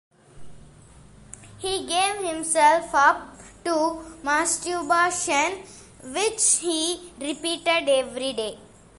He gave himself up to masturbation, which he repeated every day.